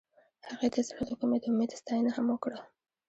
هغې د زړه له کومې د امید ستاینه هم وکړه.